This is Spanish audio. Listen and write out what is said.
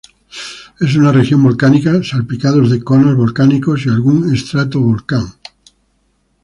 Es una región volcánica salpicados de conos volcánicos y algún estratovolcán.